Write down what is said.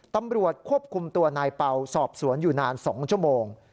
ตำรวจควบคุมตัวนายเป่าสอบสวนอยู่นาน๒ชั่วโมง